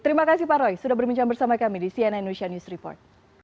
terima kasih pak roy sudah bercampur sama kami di cnn news report